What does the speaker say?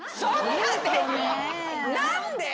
何で？